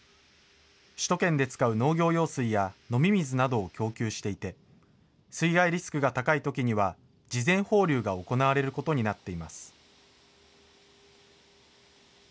首都圏で使う農業用水や飲み水などを供給していて、水害リスクが高いときには事前放流が行われることになっています。